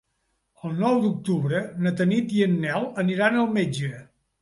El nou d'octubre na Tanit i en Nel aniran al metge.